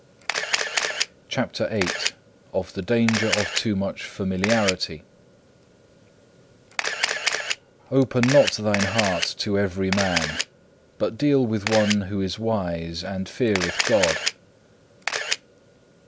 CHAPTER VIII Of the danger of too much familiarity Open not thine heart to every man, but deal with one who is wise and feareth God.